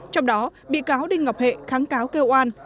trong đó bị cáo đinh ngọc hệ kháng cáo kêu an